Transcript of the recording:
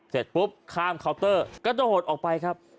เสร็จปุ๊บข้ามเคาน์เตอร์กระโดดออกไปครับ